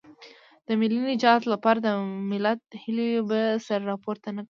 د ملي نجات لپاره د ملت هیلې به سر راپورته نه کړي.